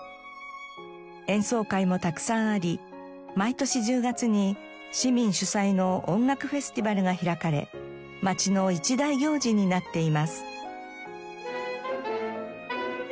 演奏会もたくさんあり毎年１０月に市民主催の音楽フェスティバルが開かれ街の一大行事になっています。